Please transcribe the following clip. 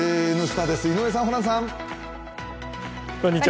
「Ｎスタ」です、井上さん、ホランさん。